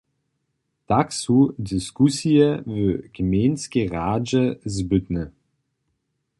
Tak su diskusije w gmejnskej radźe zbytne.